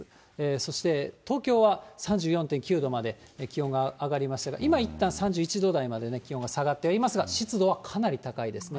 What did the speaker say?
そして、東京は３４．９度まで気温が上がりましたが、今、いったん３１度台まで気温が下がってはいますが、湿度はかなり高いですね。